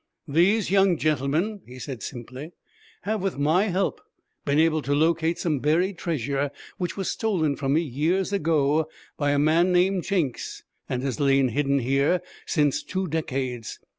'These young gentlemen,' he said, simply, 'have with my help been able to locate some buried treasure, which was stolen from me years ago by a man named Jenks, and has lain hidden here since two decades.